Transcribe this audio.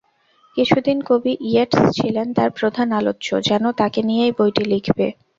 কিছুদিন কবি ইয়েটস ছিলেন তার প্রধান আলোচ্য, যেন তাঁকে নিয়েই বইটি লিখবে।